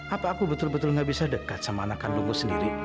apa aku betul betul gak bisa dekat sama anak kandungku sendiri